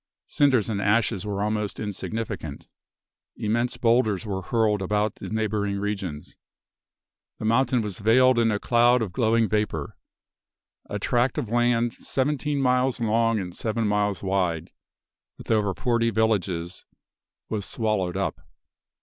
Cinders and ashes were almost insignificant. Immense boulders were hurled about the neighboring regions. The mountain was veiled in a cloud of glowing vapor. A tract of land seventeen miles long and seven miles wide, with over forty villages, was swallowed up.